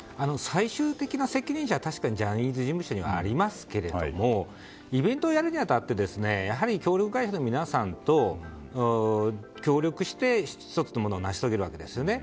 最終的な責任者はジャニーズ事務所にありますけどもイベントをやるに当たってやはり協力会社の皆さんと協力して１つのものを成し遂げるわけですよね。